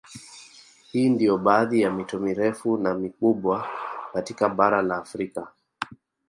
Hii ndio baadhi ya mito mirefu na mikubwa katika Bara la Afrika